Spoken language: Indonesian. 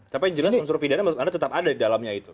tapi yang jelas unsur pidana menurut anda tetap ada di dalamnya itu